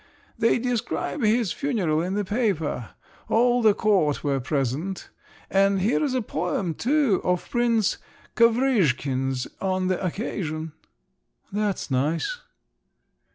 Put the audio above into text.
They describe his funeral in the paper. All the court were present. And here's a poem too, of Prince Kovrizhkin's on the occasion." "That's nice!"